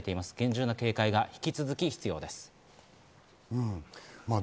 厳重な警戒が引き続き必要です。